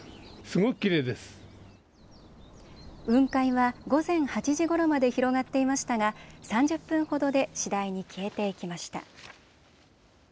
雲海は午前８時ごろまで広がっていましたが３０分ほどで次第に消えていきました。